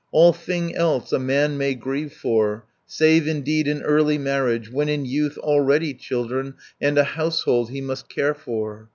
All thing else a man may grieve for, Save indeed an early marriage, When in youth already children, And a household he must care for."